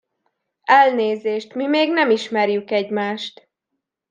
Elnézést, mi még nem ismerjük egymást.